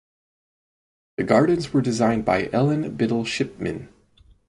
The gardens were designed by Ellen Biddle Shipman.